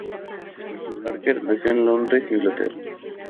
Parker nació en Londres, Inglaterra.